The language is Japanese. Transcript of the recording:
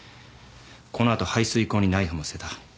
この後排水溝にナイフも捨てた。